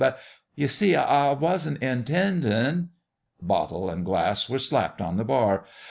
But ye see, I wasn't intendin' " Bottle and glass were slapped on the bar.